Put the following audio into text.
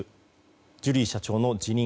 ジュリー社長の辞任。